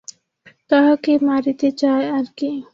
তাহাকে মারিতে যায় আর কি!